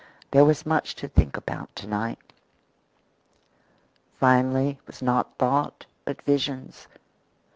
There was much to think about to night. Finally, it was not thought, but visions.